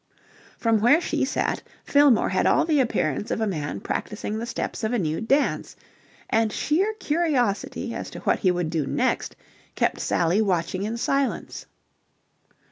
From where she sat Fillmore had all the appearance of a man practising the steps of a new dance, and sheer curiosity as to what he would do next kept Sally watching in silence.